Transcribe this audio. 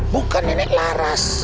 bukan nenek laras